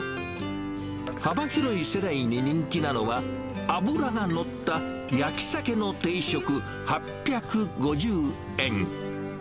幅広い世代に人気なのは、脂が乗った焼きサケの定食８５０円。